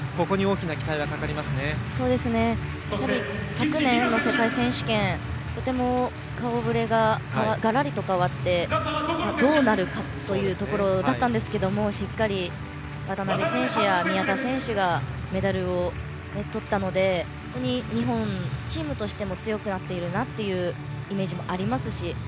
昨年、世界選手権とても顔ぶれががらりと変わってどうなるかというところだったんですがしっかり渡部選手や宮田選手がメダルをとったので本当に日本チームとしても強くなっているイメージもありますし。